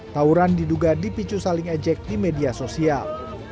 tauran diduga dipicu saling ejek di media sosial